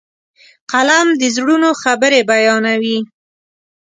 قلم د زړونو خبرې بیانوي.